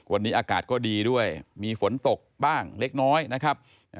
วันนี้อากาศก็ดีด้วยมีฝนตกบ้างเล็กน้อยนะครับ